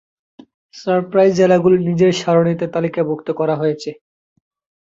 Cypress জেলাগুলি নীচে সারণিতে তালিকাভুক্ত করা হয়েছে।